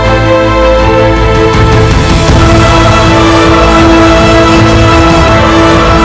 ibu nang akan selamatkan ibu